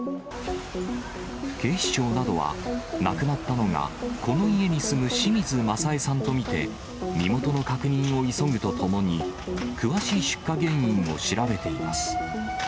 警視庁などは、亡くなったのが、この家に住む清水政枝さんと見て、身元の確認を急ぐとともに、詳しい出火原因を調べています。